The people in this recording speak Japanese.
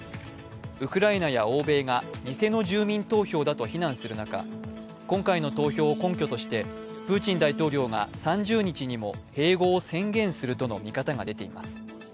ウクライナへ欧米が偽の住民投票だと非難する中、今回の投票を根拠としてプーチン大統領が３０日にも併合を宣言するとの見方が出ています。